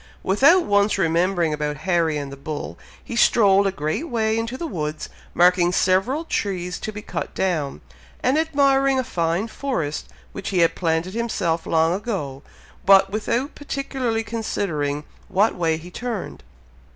Without once remembering about Harry and the bull, he strolled a great way into the woods, marking several trees to be cut down, and admiring a fine forest which he had planted himself long ago, but without particularly considering what way he turned.